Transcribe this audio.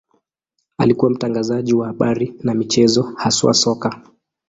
Alikuwa mtangazaji wa habari na michezo, haswa soka.